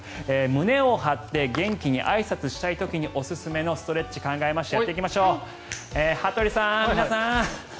胸を張って元気にあいさつしたい時におすすめのストレッチを考えました。